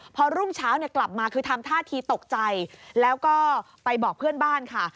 พอรุ่งเช้าเนี่ยกลับมาคือทำท่าทีตกใจแล้วก็ไปบอกเพื่อนบ้านค่ะ